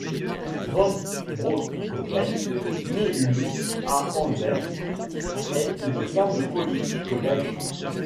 Van Broeckhoven, née le à Anvers, est une femme politique belge.